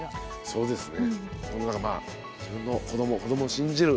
そうですね